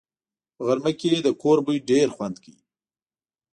په غرمه کې د کور بوی ډېر خوند کوي